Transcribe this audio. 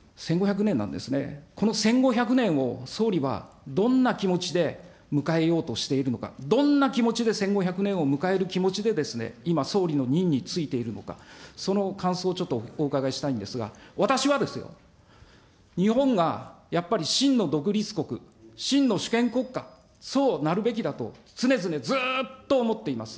この戦後１００年を総理はどんな気持ちで迎えようとしているのか、どんな気持ちで戦後１００年を迎える気持ちで今、総理の任についているのか、その感想をちょっとお伺いしたいんですが、私はですよ、日本がやっぱり真の独立国、真の主権国家、そうなるべきだと、常々ずっと思っています。